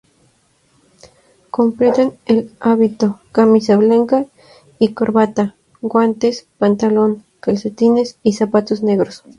Completan el hábito: camisa blanca y corbata, guantes, pantalón, calcetines y zapatos negros.